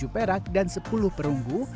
tujuh perak dan sepuluh perunggu